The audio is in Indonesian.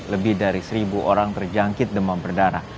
lebih dari seribu orang terjangkit demam berdarah